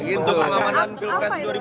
itu keamanan pilkas dua ribu sembilan belas pak